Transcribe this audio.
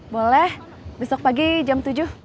boleh besok pagi jam tujuh